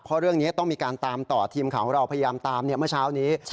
เพราะเรื่องนี้ต้องมีการตามต่อทีมข่าวของเราพยายามตามเมื่อเช้านี้